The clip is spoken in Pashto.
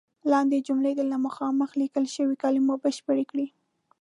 لاندې جملې دې له مخامخ لیکل شوو کلمو بشپړې کړئ.